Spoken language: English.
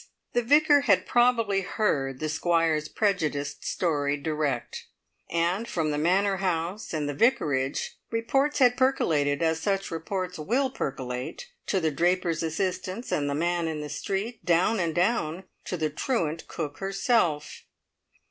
The Vicar had probably heard the Squire's prejudiced story direct, and from the Manor House and the Vicarage reports had percolated, as such reports will percolate, to the draper's assistants, and the man in the street, down and down to the truant cook herself.